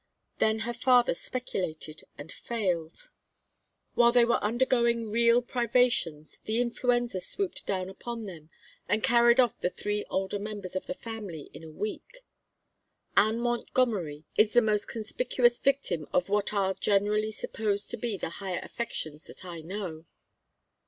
Then her father speculated and failed. While they were undergoing real privations the influenza swooped down upon them and carried off the three older members of the family in a week. Anne Montgomery is the most conspicuous victim of what are generally supposed to be the higher affections that I know.